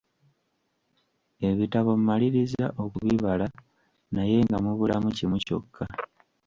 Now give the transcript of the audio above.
Ebitabo mmalirizza okubibala naye nga mubulamu kimu kyokka.